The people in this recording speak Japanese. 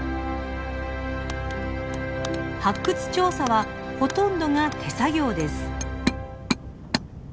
発掘調査はほとんどが手作業です。